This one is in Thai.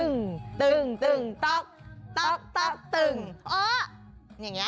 ตึงตึงตึงต๊อกต๊อกต๊อกตึงเอ๊ะ